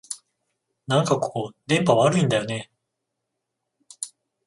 なんかここ、電波悪いんだよねえ